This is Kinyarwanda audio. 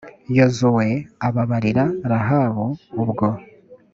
yozuwe ababarira rahabu ubwo.